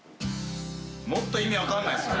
もっと意味分かんないっす。